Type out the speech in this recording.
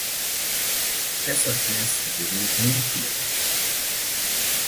Essa festa virou um enterro